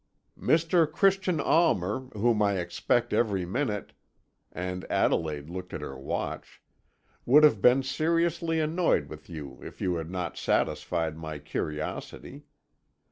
"Mr. Christian Almer, whom I expect every minute" and Adelaide looked at her watch "would have been seriously annoyed with you if you had not satisfied my curiosity.